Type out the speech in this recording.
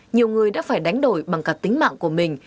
nhiều người đã phải đánh đổi bằng cả tính mạng của mình